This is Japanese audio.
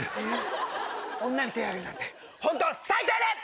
女に手を上げるなんてホント最低ね！